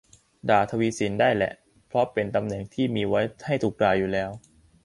ด่าทวีศิลป์ได้แหละ เพราะเป็นตำแหน่งที่มีไว้ให้ถูกด่าอยู่แล้ว